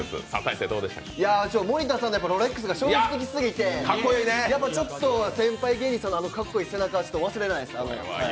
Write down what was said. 森田さんのロレックスが衝撃的すぎてちょっと先輩芸人さんのかっこいい背中は忘れないです。